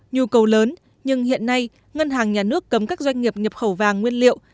nhu cầu lớn nhưng hiện nay ngân hàng nhà nước cấm các doanh nghiệp nhập khẩu vàng nguyên liệu